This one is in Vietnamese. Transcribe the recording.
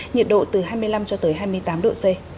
nhiệt độ từ hai mươi năm cho tới hai mươi tám độ c